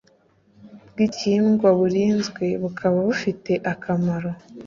bw igihingwa burinzwe bukaba bufite akamaro